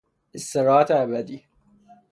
استراحت ابدی